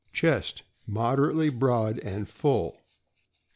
Chest mod erately broad and full.